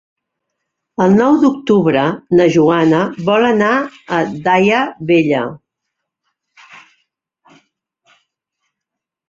El nou d'octubre na Joana vol anar a Daia Vella.